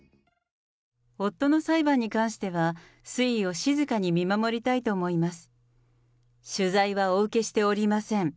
夫の裁判に関しては、推移を静かに見守りたいと思います。